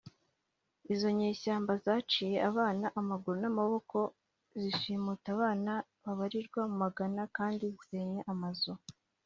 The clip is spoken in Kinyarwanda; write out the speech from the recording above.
Izo nyeshyamba zaciye abantu amaguru n amaboko zishimuta abana babarirwa mu magana kandi zisenya amazu